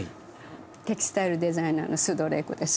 テキスタイルデザイナーの須藤玲子です。